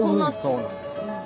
そうなんですよ。